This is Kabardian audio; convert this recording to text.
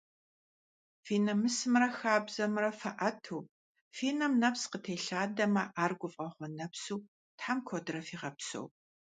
Фи намысымрэ хабзэмрэ фаӏэту, фи нэм нэпс къытелъэдамэ ар гуфӏэгъуэ нэпсу Тхьэм куэдрэ фигъэпсэу!